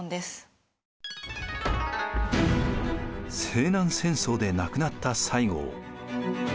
西南戦争で亡くなった西郷。